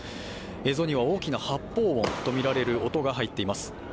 映像には大きな発砲音とみられる音が入っています。